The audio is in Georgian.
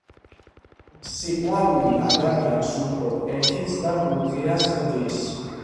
სიყვარული ადამიანს უფრო კეთილს და გულღიას ხდის.